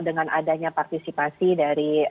dengan adanya partisipasi dari